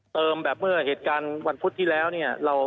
แบบเมื่อเหตุการณ์วันพุธที่แล้วเนี่ย